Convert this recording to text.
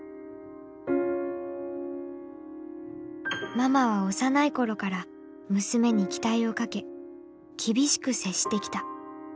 ママは幼い頃から娘に期待をかけ厳しく接してきた。